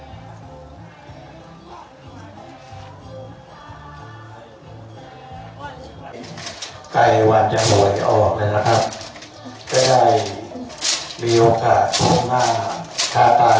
ไกลวันจะหลวยออกเลยนะครับจะได้มีโอกาสทุกที่มา